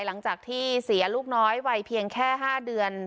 หลังจากที่เสียลูกน้อยวัยเพียงแค่๕เดือน